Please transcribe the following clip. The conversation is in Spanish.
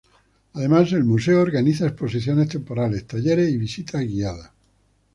Además, el Museo organiza exposiciones temporales, talleres y visitas guiadas.